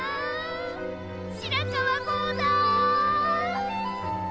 白川郷だ！